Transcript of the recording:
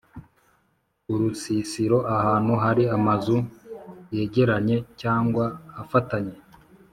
UrusisiroAhantu hari amazu yegeranye cg afatanye